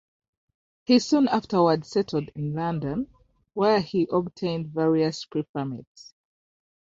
He soon afterward settled in London, where he obtained various preferments.